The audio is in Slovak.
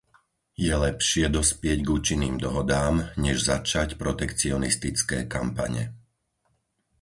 Je lepšie dospieť k účinným dohodám, než začať protekcionistické kampane.